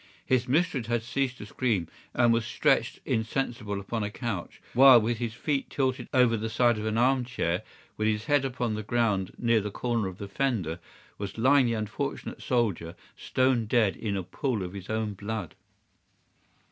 His mistress had ceased to scream and was stretched insensible upon a couch, while with his feet tilted over the side of an armchair, and his head upon the ground near the corner of the fender, was lying the unfortunate soldier stone dead in a pool of his own blood.